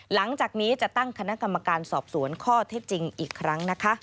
หลังจากนี้จะตั้งคณะกรรมการสอบสวนข้อเท็จจริงอีกครั้งนะคะ